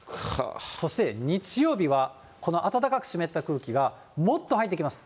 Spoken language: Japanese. そして、日曜日は、この暖かく湿った空気がもっと入ってきます。